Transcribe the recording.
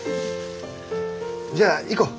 じゃあ行こう。